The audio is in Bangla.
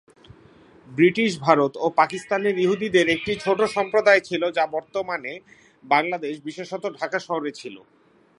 ব্রিটিশ ভারত ও পাকিস্তানের ইহুদিদের একটি ছোট সম্প্রদায় ছিল যা বর্তমান বাংলাদেশ, বিশেষত ঢাকা শহরে ছিল।